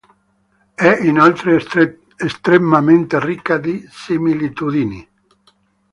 È inoltre estremamente ricca di similitudini.